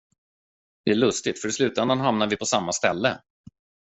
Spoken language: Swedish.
Det är lustigt, för i slutändan hamnade vi på samma ställe.